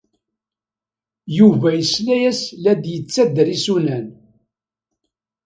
Yuba yesla-as la d-yettader isunan.